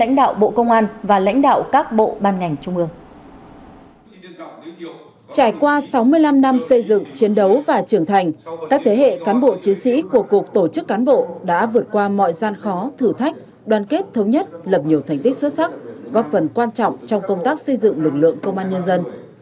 tổ chức cán bộ đã vượt qua mọi gian khó thử thách đoàn kết thống nhất lập nhiều thành tích xuất sắc góp phần quan trọng trong công tác xây dựng lực lượng công an nhân dân